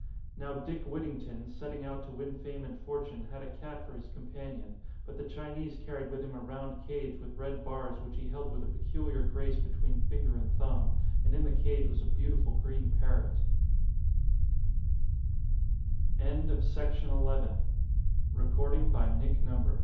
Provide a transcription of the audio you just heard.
Now Dick Whittington, setting out to win fame and fortune, had a cat for his companion, but the Chinese carried with him a round cage with red bars, which he held with a peculiar grace between finger and thumb, and in the cage was a beautiful gre